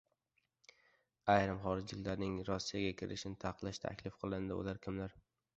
Ayrim xorijliklarning Rossiyaga kirishini taqiqlash taklif qilindi – ular kimlar?